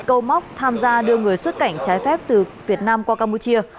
câu móc tham gia đưa người xuất cảnh trái phép từ việt nam qua campuchia